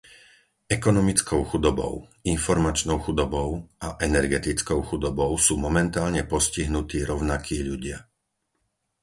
Ekonomickou chudobou, informačnou chudobou a energetickou chudobou sú momentálne postihnutí rovnakí ľudia.